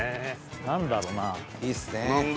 何だろうないいっすね何だ？